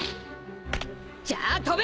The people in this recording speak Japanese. じゃあ飛べ！